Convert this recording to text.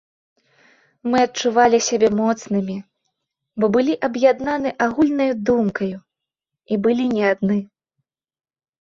Мы адчувалі сябе моцнымі, бо мы былі аб'яднаны агульнаю думкаю і былі не адны.